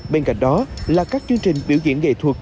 bên cạnh đó là các chương trình biểu diễn nghệ thuật